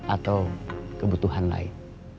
atau kebutuhan lain